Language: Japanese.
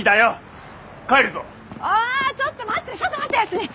ああちょっと待ってちょっと待って康にぃ！